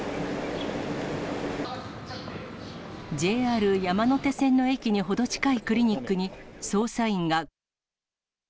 ＪＲ山手線の駅に程近いクリニックに、捜査員が。